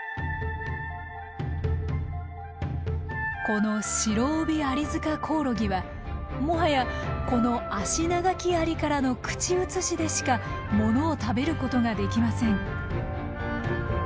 このシロオビアリヅカコオロギはもはやこのアシナガキアリからの口移しでしか物を食べることができません。